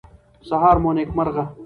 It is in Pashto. سهار مو نیکمرغه.